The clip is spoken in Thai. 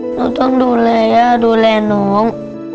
ต้องดูแลย่าดูแลน้อง